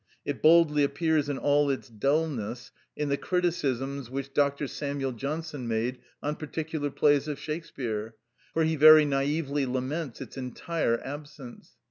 It boldly appears in all its dulness in the criticisms which Dr. Samuel Johnson made on particular plays of Shakespeare, for he very naïvely laments its entire absence.